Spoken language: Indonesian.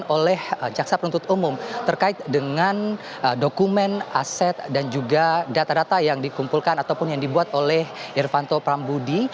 oleh jaksa penuntut umum terkait dengan dokumen aset dan juga data data yang dikumpulkan ataupun yang dibuat oleh irvanto prambudi